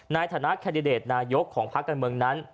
นายฐานะแคร์ดิเดสนายกของพระคันเมืองนั้น